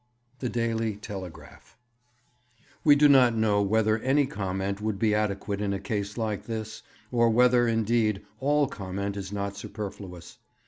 The Daily Telegraph. 'We do not know whether any comment would be adequate in a case like this, or whether, indeed, all comment is not superfluous.